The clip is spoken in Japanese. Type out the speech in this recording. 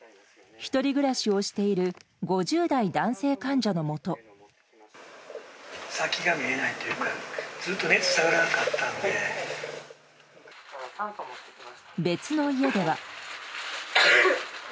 １人暮らしをしている５０代先が見えないというか、別の家では。